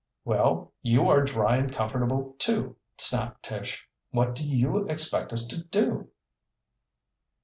"Well, you are dry and comfortable too," snapped Tish. "What do you expect us to do?"